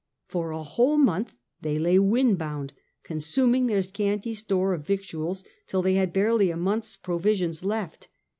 For a whole month they lay wind bound, consuming their scanty store of victuals till they had barely a month's provisions left.